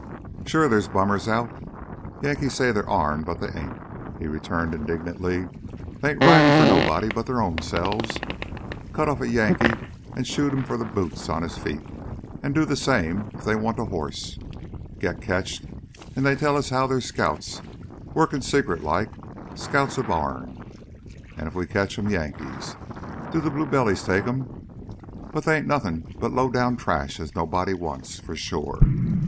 "Sure they's bummers out. Yankees say they's ourn, but they ain't!" he returned indignantly. "They ain't ridin' for nobody but their own selves. Cut off a Yankee an' shoot him for the boots on his feet do the same if they want a hoss. Git ketched an' they tell as how they's scouts, workin' secret like. Scouts o' ourn if we ketch 'em; Yankees do the blue bellies take 'em. But they ain't nothin' but lowdown trash as nobody wants, for sure!"